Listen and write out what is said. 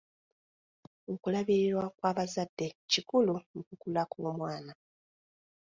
Okulabirirwa kw'abazadde kikulu mu kukula kw'omwana.